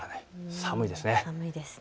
寒いですね。